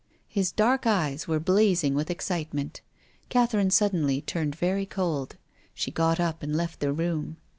His dark eyes were blazing with excitement. Catherine suddenly turned very cold. She got up and left the room.